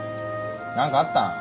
何かあったん？